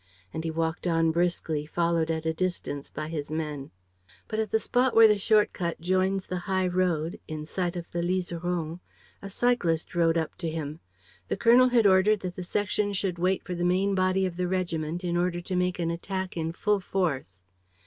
And he walked on briskly, followed at a distance by his men. But, at the spot where the short cut joins the high road, in sight of the Liseron, a cyclist rode up to him. The colonel had ordered that the section should wait for the main body of the regiment in order to make an attack in full force.